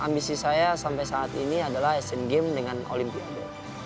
ambisi saya sampai saat ini adalah asian games dengan olimpiade